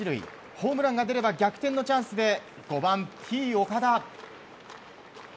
ホームランが出れば逆転のチャンスで５番、Ｔ‐岡田。